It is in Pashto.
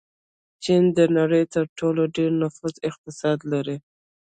چین د نړۍ تر ټولو ډېر نفوس اقتصاد لري.